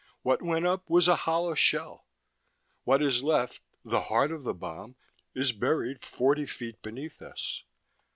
What went up was a hollow shell. What is left the heart of the bomb is buried forty feet beneath us."